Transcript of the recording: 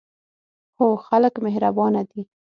هو، خلک مهربانه دي